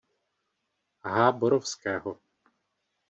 H. Borovského.